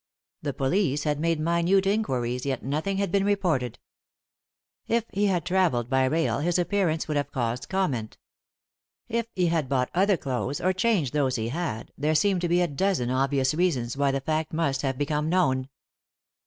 The police had made minute inquiries, yet nothing had been reported. If he had travelled by rail his appearance would hare caused comment. If he had bought other clothes, or changed those he had, there seemed to be a dozen obvious reasons why the fact must have become known.